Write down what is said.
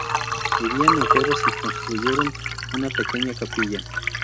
Vivían en cuevas y construyeron una pequeña capilla.